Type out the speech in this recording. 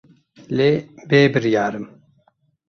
Lê bêbiryar im.